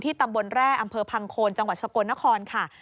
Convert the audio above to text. ตำบลแร่อำเภอพังโคนจังหวัดสกลนครค่ะ